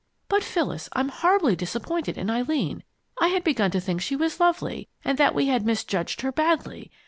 But, Phyllis, I'm horribly disappointed in Eileen! I had begun to think she was lovely, and that we had misjudged her badly.